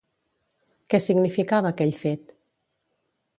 Què significava aquell fet?